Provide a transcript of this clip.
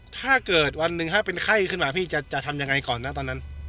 ถ้าเกิดวันหนึ่งถ้าเป็นไข้ขึ้นมาพี่จะทำยังไงก่อนนะตอนนั้น